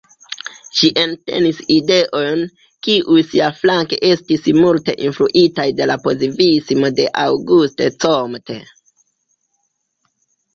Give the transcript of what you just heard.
Ĝi entenis ideojn, kiuj siaflanke estis multe influitaj de la pozitivismo de Auguste Comte.